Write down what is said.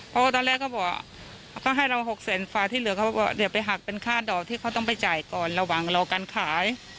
เพราะว่าตอนแรกเขาบอกเขาก็ให้เรา๖แสนฝ่าที่เหลือเขาบอกว่าเดี๋ยวไปหักเป็นค่าดอกที่เขาต้องไปจ่ายก่อนระหว่างรอการขาย